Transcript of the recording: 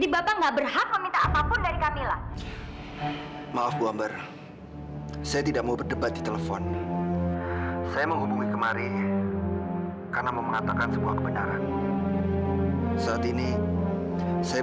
sampai jumpa di video selanjutnya